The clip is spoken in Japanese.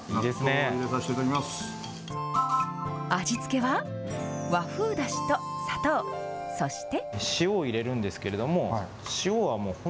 納豆、味付けは、和風だしと砂糖、そして。